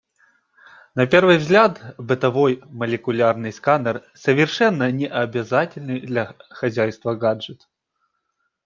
На первый взгляд, бытовой молекулярный сканер — совершенно не обязательный для хозяйства гаджет.